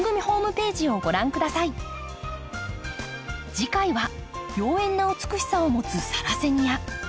次回は妖艶な美しさを持つ「サラセニア」。